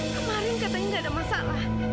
kemarin katanya nggak ada masalah